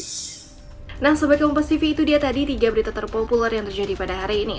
nah sebagai komposisiv itu dia tadi tiga berita terpopuler yang terjadi pada hari ini